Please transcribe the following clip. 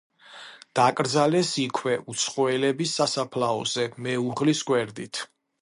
დაკრძალეს იქვე უცხოელების სასაფლაოზე, მეუღლის გვერდით.